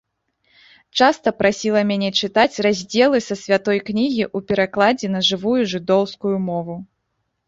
Часта прасіла мяне чытаць раздзелы са святой кнігі ў перакладзе на жывую жыдоўскую мову.